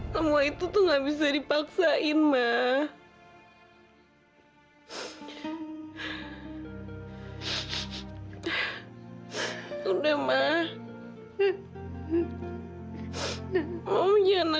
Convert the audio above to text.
semua itu tidak bisa dipaksakan ma